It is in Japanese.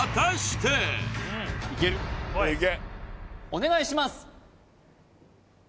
お願いします